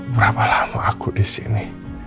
berapa lama aku di sini